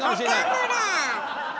岡村。